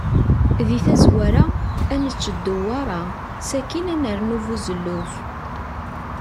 Di tazwara, ad nečč dewwaṛa, sakin ad nernu buzelluf.